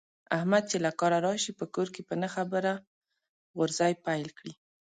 احمد چې له کاره راشي، په کور کې په نه خبره غورزی پیل کړي.